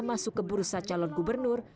masuk ke bursa calon gubernur